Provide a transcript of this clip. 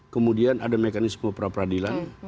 kemudian ada mekanisme peradilan